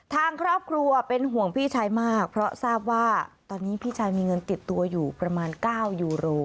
ทางครอบครัวเป็นห่วงพี่ชายมากเพราะทราบว่าตอนนี้พี่ชายมีเงินติดตัวอยู่ประมาณ๙ยูโร